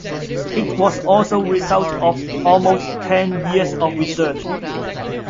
It was the result of almost ten years of research.